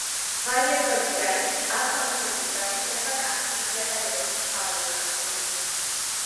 ვალიადოლიდი არის ავტონომიური გაერთიანება კასტილია და ლეონის მთავარი ეკონომიკური ცენტრი.